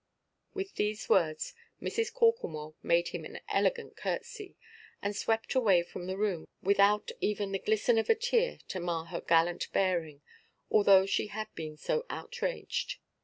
With these words, Mrs. Corklemore made him an elegant curtsey, and swept away from the room, without even the glisten of a tear to mar her gallant bearing, although she had been so outraged.